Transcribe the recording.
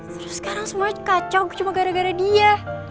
terus sekarang semuanya kacau cuma gara gara dia